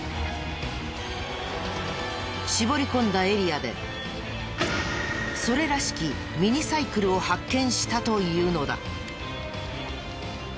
絞り込んだエリアでそれらしきミニサイクルを発見したというのだ。